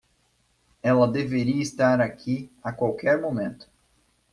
Ela deveria estar aqui a qualquer momento.